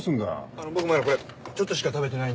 あの僕まだこれちょっとしか食べてないんで。